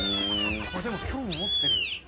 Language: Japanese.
あっでも興味持ってる。